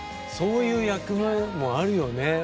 そういう役目もあるよね